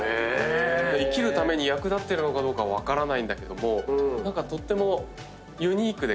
生きるために役立ってるかどうか分からないんだけども何かとってもユニークでかわいらしいですよね。